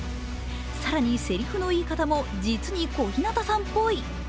更に、せりふの言い方も実に小日向さんぽい。